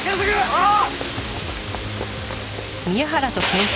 ああ！